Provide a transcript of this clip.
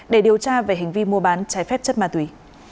để điều tra về hành vi mua bán trái phép chất ma túy